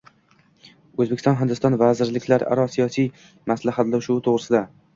O‘zbekiston-Hindiston vazirliklararo siyosiy maslahatlashuvi to‘g‘risida